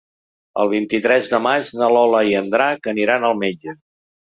El vint-i-tres de maig na Lola i en Drac aniran al metge.